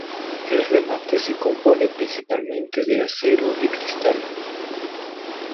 El remate se compone principalmente de acero y cristal.